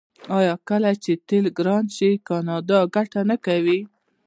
آیا کله چې تیل ګران شي کاناډا ګټه نه کوي؟